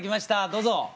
どうぞ！